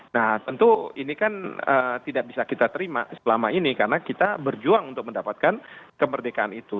nah tentu ini kan tidak bisa kita terima selama ini karena kita berjuang untuk mendapatkan kemerdekaan itu